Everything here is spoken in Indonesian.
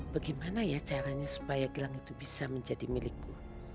bagaimana ya caranya supaya gelang itu bisa menjadi milikku